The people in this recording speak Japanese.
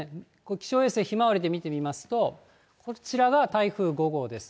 気象衛星ひまわりで見てみますと、こちらが台風５号です。